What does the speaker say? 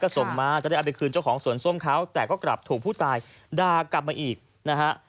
ส่งมาจะได้เอาไปคืนเจ้าของสวนส้มเขาแต่ก็กลับถูกผู้ตายด่ากลับมาอีกนะฮะ